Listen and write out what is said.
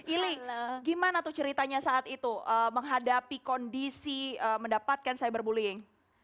ili gimana tuh ceritanya saat itu menghadapi kondisi mendapatkan cyberbullying